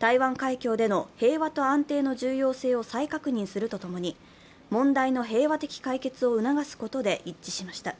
台湾海峡での平和と安定の重要性を再確認するとともに問題の平和的解決を促すことで一致しました。